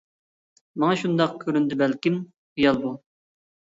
-ماڭا شۇنداق كۆرۈندى بەلكىم، خىيال بۇ.